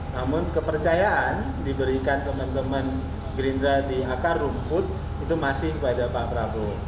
namun kepercayaan diberikan teman teman gerindra di akar rumput itu masih kepada pak prabowo